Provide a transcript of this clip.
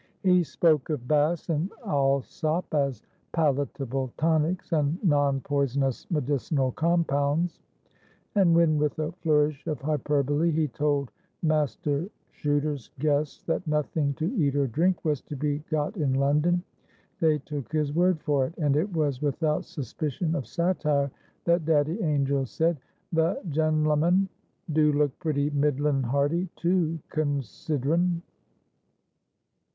He spoke of Bass and Allsopp as "palatable tonics" and "non poisonous medicinal compounds." And when, with a flourish of hyperbole, he told Master Chuter's guests that nothing to eat or drink was to be got in London, they took his word for it; and it was without suspicion of satire that Daddy Angel said, "The gen'leman do look pretty middlin' hearty too—con sid'rin'."